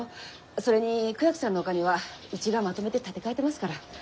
それに倉木さんのお金はうちがまとめて立て替えてますから。